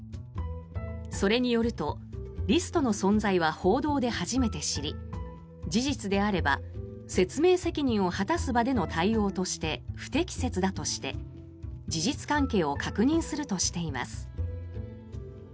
それによると、リストの存在は報道で初めて知り事実であれば説明責任を果たす場での対応として不適切だとして事実関係を確認するとしています。